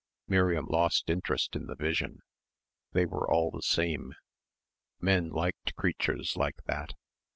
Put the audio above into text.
Miriam lost interest in the vision.... They were all the same. Men liked creatures like that.